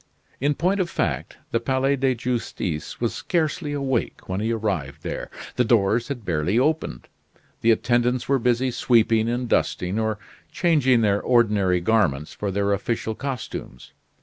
In point of fact, the Palais de Justice was scarcely awake when he arrived there. The doors had barely opened. The attendants were busy sweeping and dusting; or changing their ordinary garments for their official costumes.